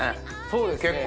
そうですね。